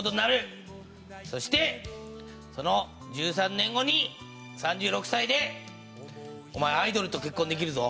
そしてその１３年後に３６歳でお前アイドルと結婚できるぞ。